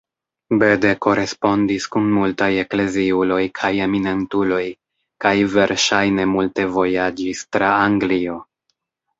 Bede korespondis kun multaj ekleziuloj kaj eminentuloj, kaj verŝajne multe vojaĝis tra Anglio.